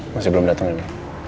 masih belum datang ya ibu